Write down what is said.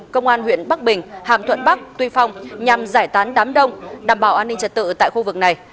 công an huyện bắc bình hàm thuận bắc tuy phong nhằm giải tán đám đông đảm bảo an ninh trật tự tại khu vực này